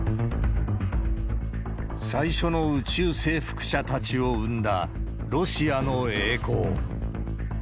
最初の宇宙征服者たちを生んだロシアの栄光。